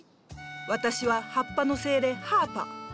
私は葉っぱの精霊ハーパ。